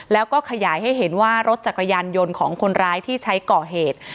แล้วก็ขยายให้เห็นว่ารถจักรยานยนต์ของคนร้ายที่ใช้ก่อเหตุ